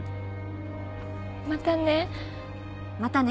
またね